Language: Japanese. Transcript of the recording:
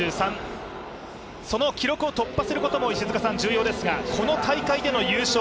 その記録を突破することも重要ですがこの大会での優勝